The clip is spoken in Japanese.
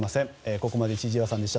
ここまで千々岩さんでした。